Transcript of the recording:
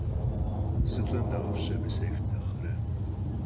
СылӀэмэ нэхъыфӀщ, абы сефт нэхърэ.